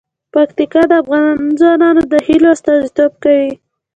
پکتیکا د افغان ځوانانو د هیلو استازیتوب کوي.